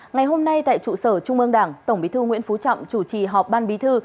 ngày hôm nay tại trụ sở trung ương đảng tổng bí thư nguyễn phú trọng chủ trì họp ban bí thư